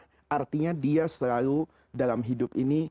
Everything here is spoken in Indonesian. maksudnya dia selalu dalam hidup ini